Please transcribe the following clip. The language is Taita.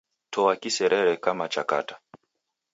Toa kiserere kama cha kata